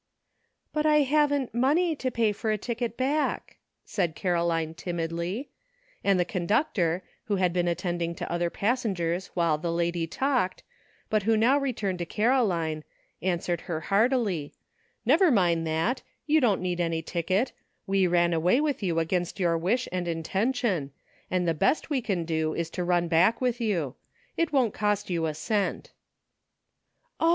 "But I haven't money to pay for a ticket back," said Caroline timidly; and the conductor, who had been attending to other passengers while the lady talked, but who now returned to Caroline, answered her heartily, " Never mind that ; you don't need any ticket ; we ran away with you against your wish and intention, and the best we can do is to run back with you. It won't cost you a cent." "Oh!